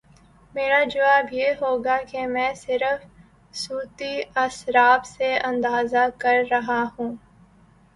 میرا جواب یہ ہو گا کہ میں صرف صوتی اثرات سے اندازہ کر رہا ہوں۔